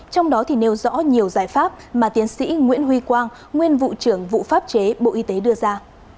trong đó thì nêu rõ nhiều giải pháp mà tiến sĩ nguyễn huy quang nguyên vụ trưởng vụ pháp chế bộ y tế đưa ra